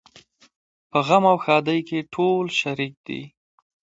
په غم او ښادۍ کې ټول شریک دي.